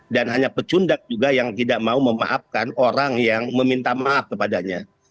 dan hanya pecundang juga yang tidak mau memaafkan orang yang meminta maaf kepadanya